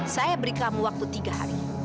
saya beri kamu waktu tiga hari